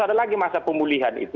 ada lagi masa pemulihan itu